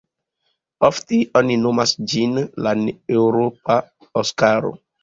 Ofte oni nomas ĝin la "eŭropa Oskaro".